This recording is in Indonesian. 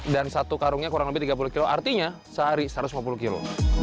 dan satu karungnya kurang lebih tiga puluh kilo artinya sehari satu ratus lima puluh kilo